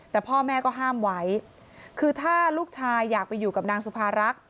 แต่พ่อแม่ก็ห้ามไว้คือถ้าลูกชายอยากไปอยู่กับนางสุภารักษ